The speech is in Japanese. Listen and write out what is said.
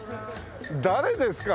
誰ですか？